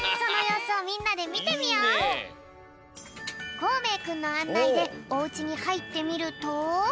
こうめいくんのあんないでおうちにはいってみると。